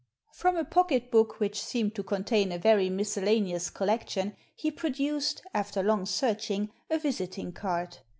From a pocket book which seemed to contain a very miscellaneous collection he produced, after long searching, a visiting card.